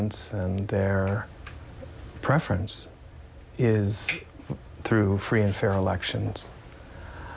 นั่นแค่ความสงสัยเรื่องของสมรสภาพ